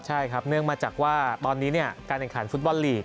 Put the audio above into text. ใช่ครับเนื่องมาจากว่าตอนนี้การแข่งขันฟุตบอลลีก